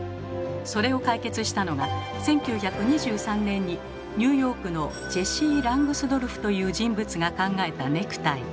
それを解決したのが１９２３年にニューヨークのジェシー・ラングスドルフという人物が考えたネクタイ。